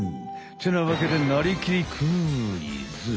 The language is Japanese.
ってなわけで「なりきりクイズ！」